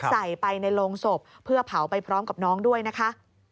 ใส่ไปในโรงศพเพื่อเผาไปพร้อมกับน้องด้วยนะคะ